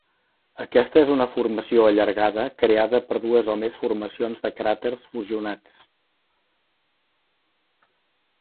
Aquesta és una formació allargada creada per dues o més formacions de cràters fusionats.